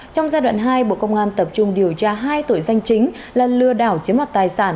trong giai đoạn hai bộ công an tập trung điều tra hai tội danh chính là lừa đảo chiếm mặt tài sản